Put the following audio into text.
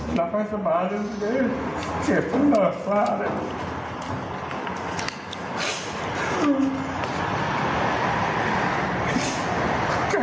กลับไปสำหรับอาหารที่เจ้าเคยปรุงแล้วสาวอาหาร